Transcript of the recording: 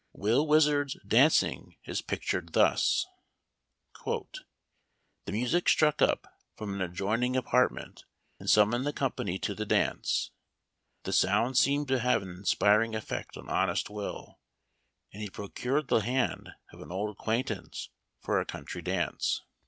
Will Wizard's " dancing is pictured thus : "The music struck up from an adjoining apart jment, and summoned the company to the dance. The sound seemed to have an inspiring effect on honest Will, and he procured the hand of an old acquaintance for a country dance.